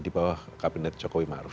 di bawah kabinet jokowi maruf